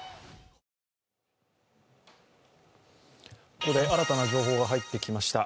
ここで新たな情報が入ってきました。